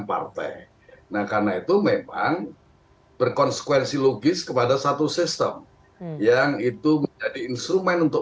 partai nah karena itu memang berkonsekuensi logis kepada satu sistem yang itu menjadi instrumen untuk